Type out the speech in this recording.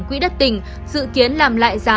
quỹ đất tỉnh dự kiến làm lại giá